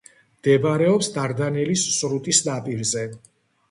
მდებარეობს დარდანელის სრუტის ნაპირზე.